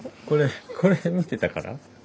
これこれ見てたから？